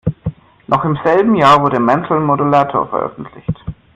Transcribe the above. Noch im selben Jahr wurde "Mental Modulator" veröffentlicht.